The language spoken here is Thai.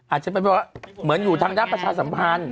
อาจจะเป็นเพราะว่าเหมือนอยู่ทางด้านประชาสัมพันธ์